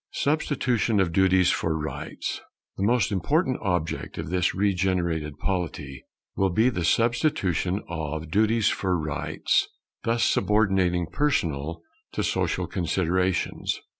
[Substitution of duties for rights] The most important object of this regenerated polity will be the substitution of Duties for Rights; thus subordinating personal to social considerations.